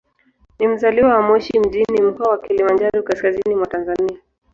Ni mzaliwa wa Moshi mjini, Mkoa wa Kilimanjaro, kaskazini mwa Tanzania.